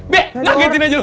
bek ngagetin aja dulu